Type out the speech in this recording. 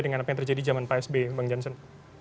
dengan apa yang terjadi di jaman psb bang janssen